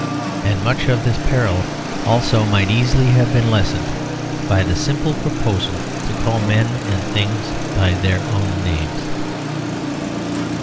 And much of this peril also might easily have been lessened, by the simple proposal to call men and things by their own names.